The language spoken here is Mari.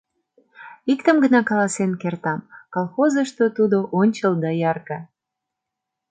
— Иктым гына каласен кертам: колхозышто тудо ончыл доярка.